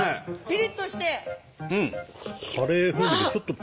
ピリッとして。